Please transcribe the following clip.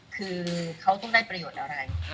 คือเขาต้องได้ประโยชน์อะไร